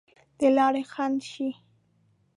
د لارې خنډ شي.